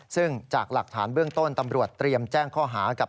ซึ่งจากหลักฐานเบื้องต้นตำรวจเตรียมแจ้งข้อหากับ